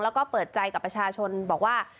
แล้วก็เปิดใจกับประชาชนบอกว่า